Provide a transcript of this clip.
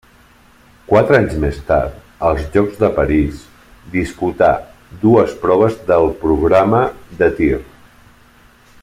Quatre anys més tard, als Jocs de París, disputà dues proves del programa de tir.